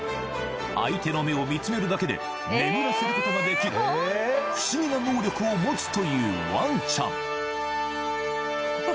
相手の目を見つめるだけで眠らせることができる不思議な能力を持つというワンちゃん